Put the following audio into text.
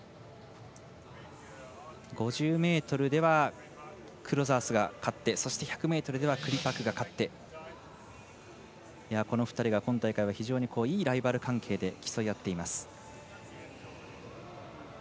５０ｍではクロザースが勝ってそして、１００ｍではクリパクが勝ってこの２人が今大会は非常にいいライバル関係で競い合っています。